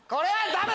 ダメ！